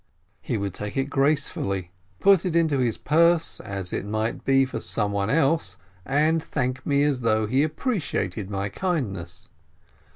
He would take it gracefully, put it into his purse, as it might be for someone else, and thank me as though he appreciated my kindness.